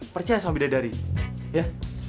percaya sama bidadari ya